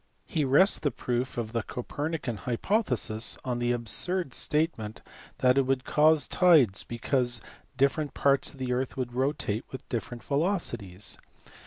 He rests the proof of the Copernican hypothesis on the absurd statement that it would cause tides because different parts of the earth would rotate with different velocities.